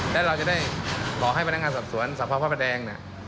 และเราจะได้ขอให้พนักงานสอบสวนสภาพพระประแดงเนี่ย